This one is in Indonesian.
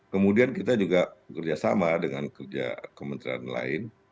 kemudian kita juga kerjasama dengan kerja kementerian lain